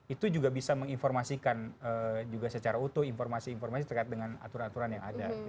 itu juga bisa menginformasikan juga secara utuh informasi informasi terkait dengan aturan aturan yang ada